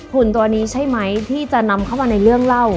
หุ่นตัวนี้ใช่ไหมที่จะนำเข้ามาในเรื่องเล่า